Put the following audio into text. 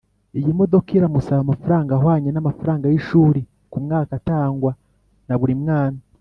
Iyi modoka iramusaba amafaranga ahwanye n’amafaranga y’ishuri ku mwaka atangwa na buri mwana